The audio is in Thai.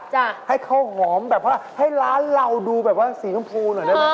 ให้เขาหอมแบบว่าให้ร้านเราดูแบบว่าสีชมพูหน่อยได้ไหม